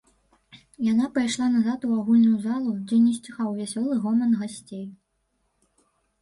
Яна пайшла назад у агульную залу, дзе не сціхаў вясёлы гоман гасцей.